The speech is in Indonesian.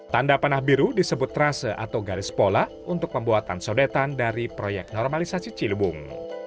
tanda panah biru disebut trase atau garis pola untuk pembuatan sodetan dari proyek normalisasi ciliwung